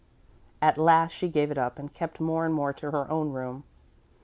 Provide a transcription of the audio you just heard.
At last she gave it up and kept more and more to her own room.